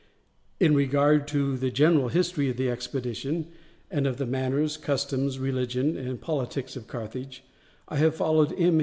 In regard to the general history of the expedition, and of the manners, customs, religion, and politics of Carthage, I have followed M.